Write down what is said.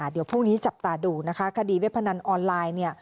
เดี๋ยวพรุ่งนี้จับตาดูนะคะคดีเว็บพนันออนไลน์เนี่ย